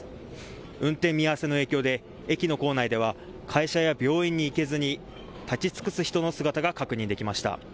運転見合わせの影響で駅の構内では会社や病院に行けずに立ち尽くす人の姿が確認できました。